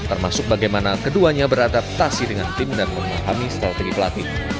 termasuk bagaimana keduanya beradaptasi dengan tim dan memahami strategi pelatih